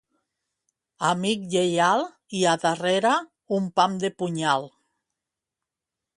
Amic lleial; i a darrere, un pam de punyal.